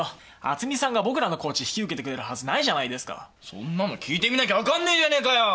そんなの聞いてみなきゃ分かんねえじゃねえかよ。